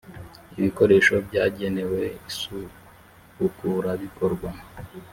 ibikoresho byagenewe isubukurabikorwa .